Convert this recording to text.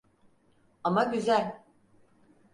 Ama güzel.